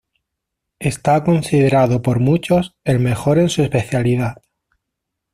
Está considerado por muchos el mejor en su especialidad.